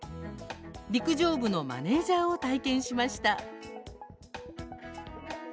陸上部のマネージャーを体験しました。